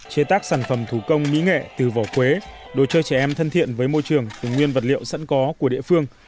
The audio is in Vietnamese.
chế tác sản phẩm thủ công mỹ nghệ từ vỏ quế đồ chơi trẻ em thân thiện với môi trường từ nguyên vật liệu sẵn có của địa phương